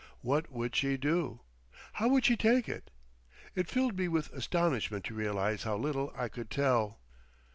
What would she do? How would she take it? It filled me with astonishment to realise how little I could tell....